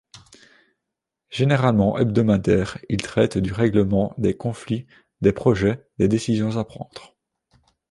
Généralement hebdomadaire, il traite du règlement des conflits, des projets, des décisions à prendre.